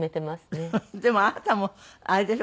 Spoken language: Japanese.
でもあなたもあれでしょ？